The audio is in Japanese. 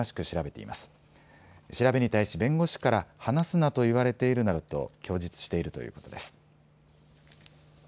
調べに対し弁護士から話すなと言われているなどと供述しているということです。